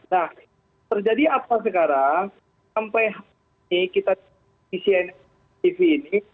nah terjadi apa sekarang sampai hari ini kita di cnn tv ini